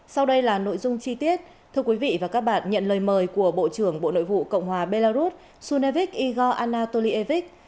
sau đây là nội dung chi tiết thưa quý vị và các bạn nhận lời mời của bộ trưởng bộ nội vụ cộng hòa belarus sunevich igor anatolievic